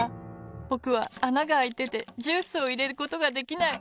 ぼくはあながあいててジュースをいれることができない。